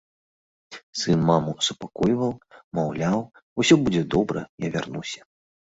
Сын маму супакойваў, маўляў, усё будзе добра, я вярнуся.